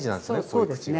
そうですね。